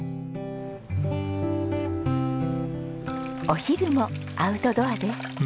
お昼もアウトドアです。